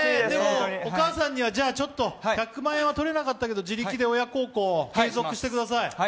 でもお母さんにはちょっと、１００万円はとれなかったけど、自力で親孝行を継続してください。